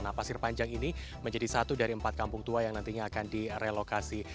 nah pasir panjang ini menjadi satu dari empat kampung tua yang nantinya akan direlokasi